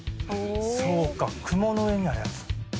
そうか雲の上にあるやつ。